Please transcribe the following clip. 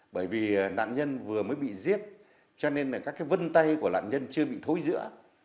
bởi vì nạn nhân vừa mới bị giết cho nên các vân tay của nạn nhân chưa bị thối dữa